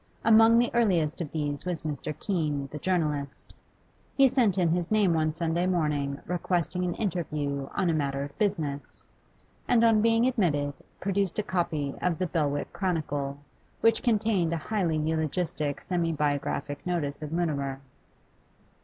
Among the earliest of these was Mr. Keene, the journalist. He sent in his name one Sunday morning requesting an interview on a matter of business, and on being admitted, produced a copy of the 'Belwick Chronicle,' which contained a highly eulogistic semi biographic notice of Mutimer.